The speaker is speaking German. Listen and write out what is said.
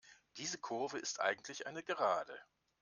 Diese Kurve ist eigentlich eine Gerade.